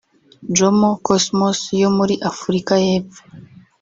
Jomo Cosmos yo muri Afurika y’epfo